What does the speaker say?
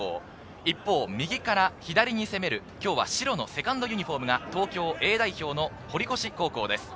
一方、右から左に攻める今日は白のセカンドユニホームが東京Ａ代表の堀越高校です。